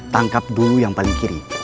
tangkap dulu yang paling kiri